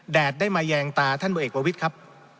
แดดได้มาแยงตาท่านผู้เอกประวิทย์ครับ